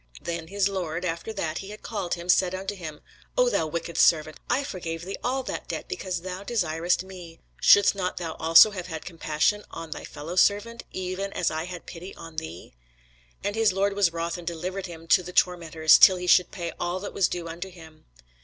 Then his lord, after that he had called him, said unto him, O thou wicked servant, I forgave thee all that debt, because thou desiredst me: shouldest not thou also have had compassion on thy fellowservant, even as I had pity on thee? And his lord was wroth, and delivered him to the tormentors, till he should pay all that was due unto him.